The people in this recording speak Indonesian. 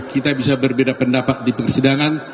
kita bisa berbeda pendapat di persidangan